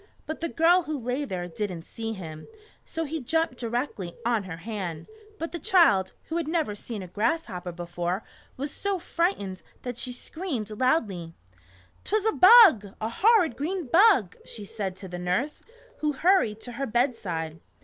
But the girl who lay there, did n't see him, so he jumped directly on her hand. But the child, who had never seen a grasshopper before, was so frightened that she screamed loudly. " 'T was a bug, a horrid green bug," she said to the nurse, who hurried to her bedside.